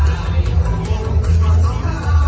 อ้าวอ้าวอ้าวอ้าวอ้าว